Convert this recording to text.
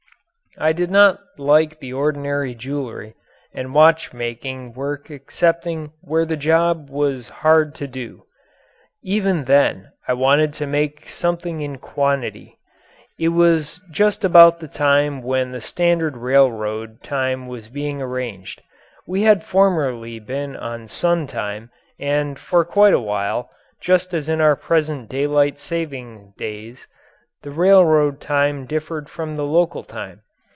I did not like the ordinary jewelry and watch making work excepting where the job was hard to do. Even then I wanted to make something in quantity. It was just about the time when the standard railroad time was being arranged. We had formerly been on sun time and for quite a while, just as in our present daylight saving days, the railroad time differed from the local time.